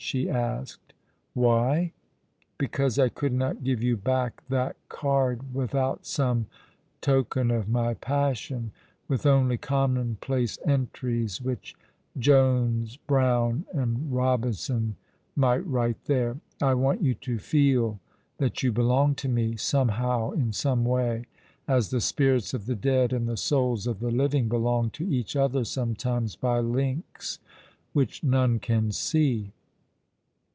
" she asked. " Why ? Because I could not give you back that card with out some token of my passion — with only commonplace entries which Jones, Brown, and Eobinson might write there. I want you to feel that you belong to me, somehow, in some way, as the spirits of the dead and the souls of the living belong to each other sometimes, by links which none can see.